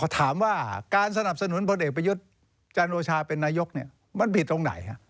ถามว่าการสนับสนุนพลเอกประยุทธ์จันโอชาเป็นนายกมันผิดตรงไหน